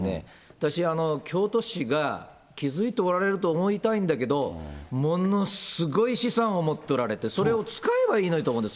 私、京都市が気付いておられると思いたいんだけど、ものすごい資産を持っておられて、それを使えばいいのにと思うんです。